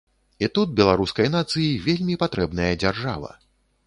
І тут беларускай нацыі вельмі патрэбная дзяржава.